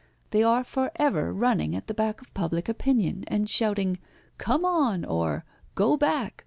They are for ever running at the back of public opinion, and shouting 'come on!' or 'go back!'